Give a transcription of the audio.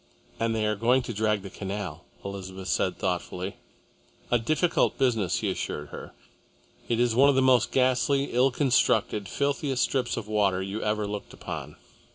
"And they are going to drag the canal," Elizabeth said thoughtfully. "A difficult business," he assured her. "It is one of the most ghastly, ill constructed, filthiest strips of water you ever looked upon.